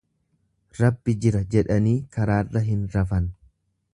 Rabbi jira jedhanii karaarra hin rafan.